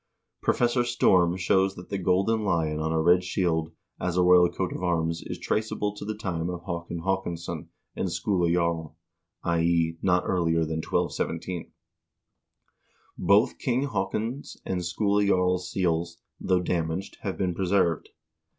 1 Professor Storm shows that the golden lion on a red shield as a royal coat of arms is traceable to the time of Haakon Haakonsson and Skule Jarl (i.e. not earlier than 1217). Both King Haakon's and Skule Jarl's seals, though damaged, have been preserved.